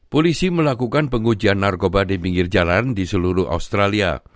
polisi melakukan pengujian narkoba di pinggir jalan di seluruh australia